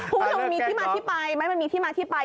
พวกเค้ามีที่มาที่ไปมันมีที่มาที่ไป